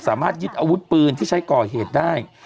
สามารถยึดอาวุธปืนที่ใช้ก่อเหตุได้